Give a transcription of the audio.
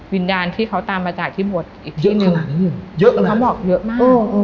วินดาลที่เขาตามมาจากที่บทอีกที่หนึ่งเยอะมากเยอะมากเขาบอกเยอะมากเออเออ